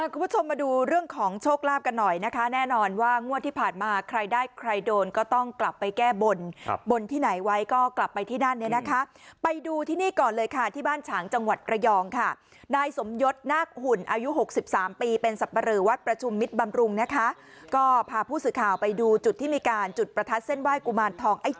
คุณผู้ชมมาดูเรื่องของโชคลาภกันหน่อยนะคะแน่นอนว่างวดที่ผ่านมาใครได้ใครโดนก็ต้องกลับไปแก้บนบนที่ไหนไว้ก็กลับไปที่นั่นเนี่ยนะคะไปดูที่นี่ก่อนเลยค่ะที่บ้านฉางจังหวัดระยองค่ะนายสมยศนาคหุ่นอายุหกสิบสามปีเป็นสับปะเรอวัดประชุมมิตรบำรุงนะคะก็พาผู้สื่อข่าวไปดูจุดที่มีการจุดประทัดเส้นไห้กุมารทองไอ้